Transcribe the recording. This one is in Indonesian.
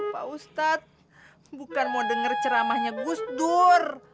pak ustadz bukan mau dengar ceramahnya gus dur